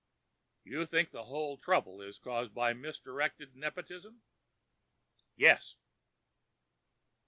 "You think the whole trouble is caused by misdirected nepotism." "Yes."